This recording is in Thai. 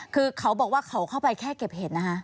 คือเขาบอกว่าเขาเข้าไปแค่เก็บเห็ดนะคะ